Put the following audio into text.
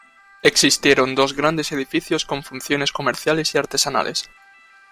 Existieron dos grandes edificios con funciones comerciales y artesanales.